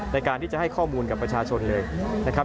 ในการที่จะให้ข้อมูลกับประชาชนเลยนะครับ